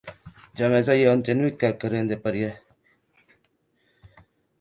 Jamès auia entenut quauquarren de parièr.